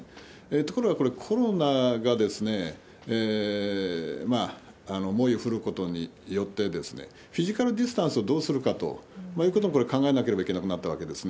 ところがこれ、コロナが猛威を振るうことによって、フィジカルディスタンスをどうするかということもこれ、考えなければいけなくなったわけですね。